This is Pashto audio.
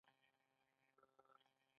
يوازې د پروجسترون درلودونكي ټابليټونه: